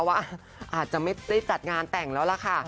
ว่าอาจจะไม่ได้จัดงานแต่งแล้วล่ะค่ะ